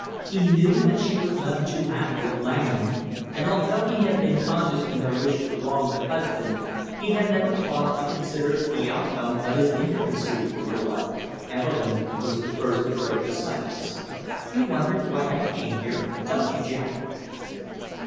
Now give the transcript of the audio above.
He knew that she was none too happy with Langham, and although he had been conscious of no wish to wrong the husband he had never paused to consider the outcome of his intimacy with the wife. Evelyn was the first to break the silence. "You wonder why I came here, don't you, Jack?" she said.